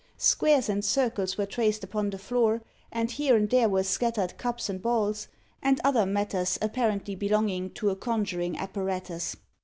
Squares and circles were traced upon the floor, and here and there were scattered cups and balls, and other matters apparently belonging to a conjuring apparatus.